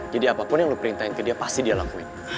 jadi apapun yang lo perintahin ke dia pasti dia lakuin